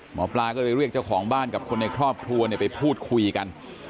หมอปลาก็เลยเรียกเจ้าของบ้านกับคนในครอบครัวไปพูดคุยกัน